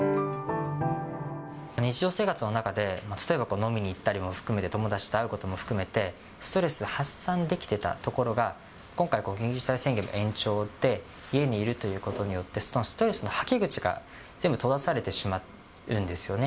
日常生活の中で、例えば飲みに行ったりも含めて、友達と会うことも含めて、ストレス発散できてたところが、今回、緊急事態宣言の延長で、家にいるということによって、そのストレスのはけ口が全部閉ざされてしまうんですよね。